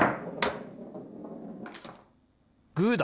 グーだ！